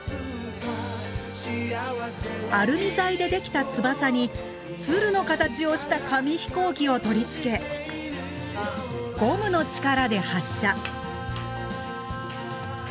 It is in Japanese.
アルミ材でできた翼に鶴の形をした紙飛行機を取り付けゴムの力で発射。